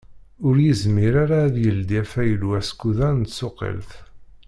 Ur yezmir ara ad d-yeldi afaylu askudan n tsuqilt.